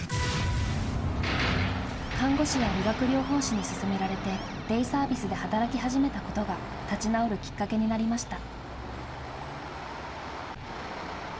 看護師や理学療法士に勧められて、デイサービスで働き始めたことが立ち直るきっかけになりました。